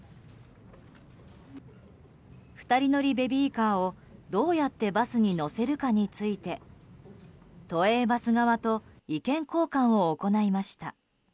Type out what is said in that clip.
２人乗りベビーカーをどうやってバスに乗せるかについて都営バス側と意見交換を行いました。